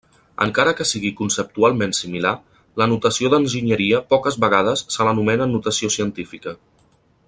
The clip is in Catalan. Encara que sigui conceptualment similar, la notació d'enginyeria poques vegades se l'anomena notació científica.